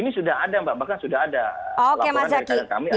ini sudah ada mbak bahkan sudah ada laporan dari kader kami